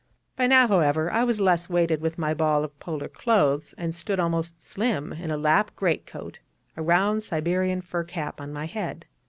By now, however, I was less weighted with my ball of Polar clothes, and stood almost slim in a Lap great coat, a round Siberian fur cap on my head.